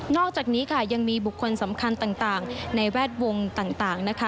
อกจากนี้ค่ะยังมีบุคคลสำคัญต่างในแวดวงต่างนะคะ